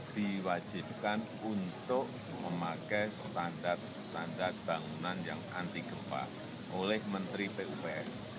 diwajibkan untuk memakai standar standar bangunan yang anti gempa oleh menteri pupr